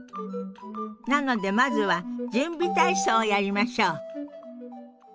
なのでまずは準備体操をやりましょう。